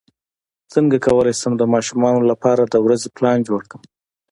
څنګه کولی شم د ماشومانو لپاره د ورځې پلان جوړ کړم